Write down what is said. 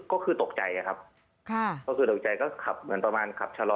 ก็คือตกใจครับค่ะก็คือตกใจก็ขับเหมือนประมาณขับชะลอ